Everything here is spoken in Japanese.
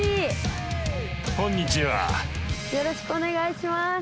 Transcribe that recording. よろしくお願いします。